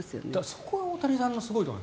そこは大谷さんのすごいところ。